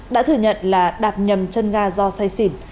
đã thừa nhận là đạp nhầm chân ga do say xỉn